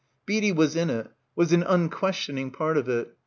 Beadie was in it, was an unquestioning part of it.